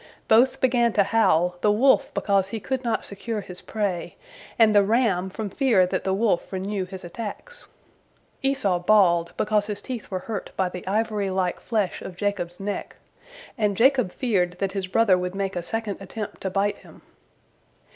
Both began to howl, the wolf because he could not secure his prey, and the ram from fear that the wolf renew his attacks. Esau bawled because his teeth were hurt by the ivory like flesh of Jacob's neck, and Jacob feared that his brother would make a second attempt to bite him.